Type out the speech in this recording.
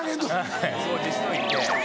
はい掃除しといて。